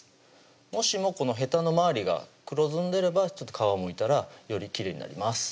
もしもこのへたの周りが黒ずんでれば皮をむいたらよりきれいになります